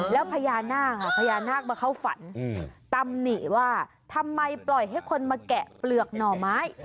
แล้วพญานาคพญานาคมาเข้าฝันตำหนิว่าทำไมปล่อยให้คนมาแกะเปลือกหน่อไม้